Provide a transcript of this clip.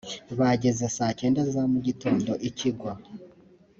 byageze saa cyenda za mu gitondo ikigwa